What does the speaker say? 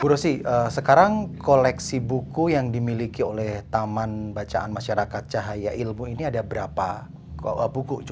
bu rosi sekarang koleksi buku yang dimiliki oleh taman bacaan masyarakat cahaya ilmu ini ada berapa buku